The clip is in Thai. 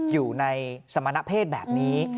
อยู่ในสมณเพศแบบนี้